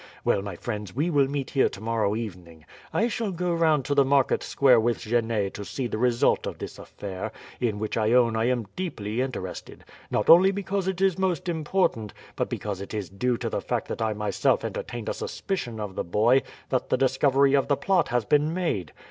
Well, my friends, we will meet here tomorrow evening. I shall go round to the Market Square with Genet to see the result of this affair, in which I own I am deeply interested; not only because it is most important, but because it is due to the fact that I myself entertained a suspicion of the boy that the discovery of the plot has been made.